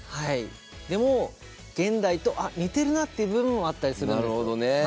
でも現代と似てるなっていう部分もあったりするんですよ。